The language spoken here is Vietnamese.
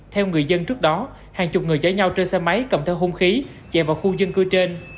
theo người dân trước đó hàng chục người chở nhau trên xe máy cầm theo hung khí chạy vào khu dân cư trên